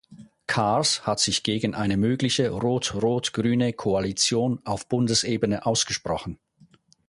Kahrs hat sich gegen eine mögliche rot-rot-grüne Koalition auf Bundesebene ausgesprochen.